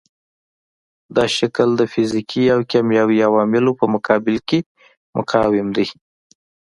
دا شکل د فزیکي او کیمیاوي عواملو په مقابل کې مقاوم دی.